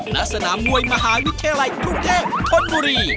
นักสนามมวยมหาวิทยาลัยธุรกเทศทนุรี